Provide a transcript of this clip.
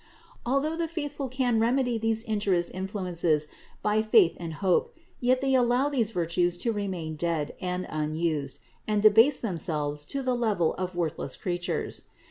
Although the faithful can remedy these injurious influences by faith and hope, yet they allow these virtues to remain dead, and unused, and debase themselves to the level of worth less creatures.